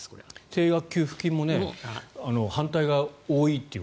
定額給付金も反対が多いという。